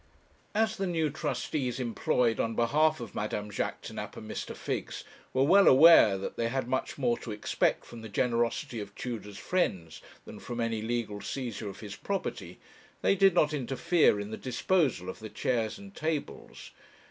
As the new trustees employed on behalf of Madame Jaquêtanàpe and Mr. Figgs were well aware that they had much more to expect from the generosity of Tudor's friends than from any legal seizure of his property, they did not interfere in the disposal of the chairs and tables.